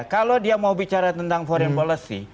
kalau dia mau bicara tentang foreign policy